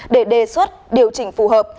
để đề xuất điều chỉnh phù hợp